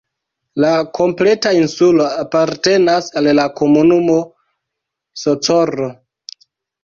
La kompleta insulo apartenas al la komunumo Socorro.